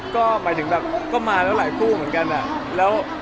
ก็หมายถึงแบบก็มาแล้วหลายคู่เหมือนกัน